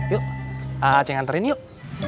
yuk acing anterin yuk